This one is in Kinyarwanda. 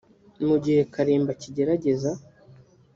mu gihe Kalimba akigerageza